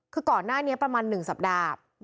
คือก่อนหน้านี้ประมาณ๑สัปดาห์